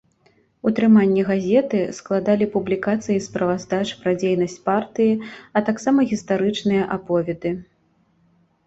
Утрыманне газеты складалі публікацыі справаздач пра дзейнасць партыі, а таксама гістарычныя аповеды.